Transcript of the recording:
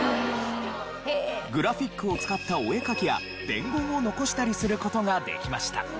グラフィックを使ったお絵かきや伝言を残したりする事ができました。